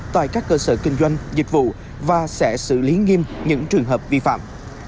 tại các cơ sở kinh doanh dịch vụ và sẽ xử lý nghiêm những trường hợp vi phạm